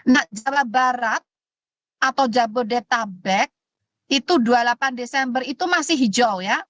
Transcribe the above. nah jawa barat atau jabodetabek itu dua puluh delapan desember itu masih hijau ya